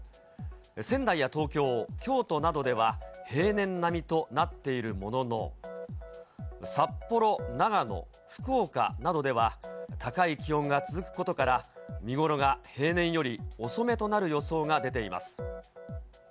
仙台や東京、京都などでは、平年並みとなっているものの、札幌、長野、福岡などでは、高い気温が続くことから、見頃が平年より遅めとなる予想が出ています。